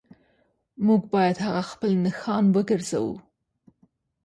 موږ باید هغه خپل نښان وګرځوو